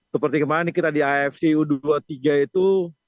seperti kemarin kita di afc u dua puluh tiga itu